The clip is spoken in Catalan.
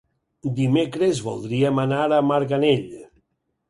Dimecres voldríem anar a Marganell.